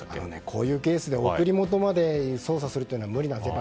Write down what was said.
こういうケースで送り元まで捜査するのは無理なんですよ。